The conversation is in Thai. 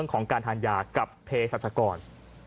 ของการทานยากับเพศรัชกร